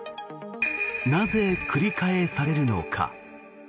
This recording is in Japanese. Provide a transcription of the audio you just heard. なぜ、繰り返されるのか。